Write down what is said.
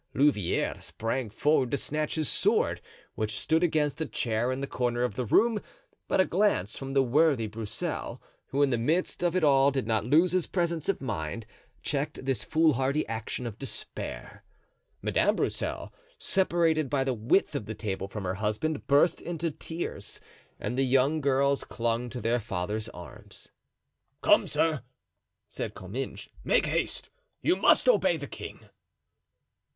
Louvieres sprang forward to snatch his sword, which stood against a chair in a corner of the room; but a glance from the worthy Broussel, who in the midst of it all did not lose his presence of mind, checked this foolhardy action of despair. Madame Broussel, separated by the width of the table from her husband, burst into tears, and the young girls clung to their father's arms. "Come, sir," said Comminges, "make haste; you must obey the king."